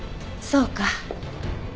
そうか。